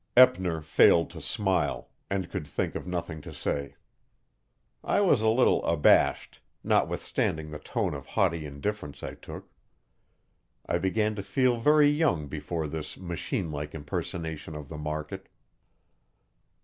Eppner failed to smile, and could think of nothing to say. I was a little abashed, notwithstanding the tone of haughty indifference I took. I began to feel very young before this machine like impersonation of the market.